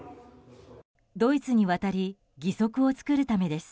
ドイツに渡り義足を作るためです。